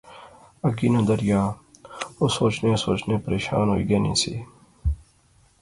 اگی ناں دریا، او سوچنیاں سوچنیاں پریشان ہوئی گینی سی